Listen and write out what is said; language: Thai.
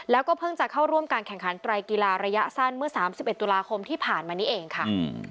แล้วก็เพิ่งจะเข้าร่วมการแข่งขันไตรกีฬาระยะสั้นเมื่อ๓๑ตุลาคมที่ผ่านมานี้เองค่ะ